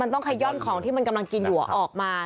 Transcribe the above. มันต้องค่อยย่อนของที่มันกำลังกินหัวออกมา